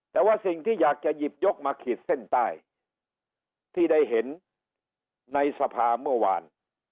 แต่ว่าสิ่งที่อยากจะหยิบยกมาขีดเส้นใต้ที่ได้เห็นในสภาเมื่อวาน